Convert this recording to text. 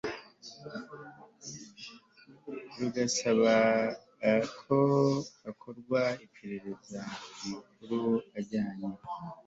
rugasaba ko hakorwa iperereza ku makuru ajyanye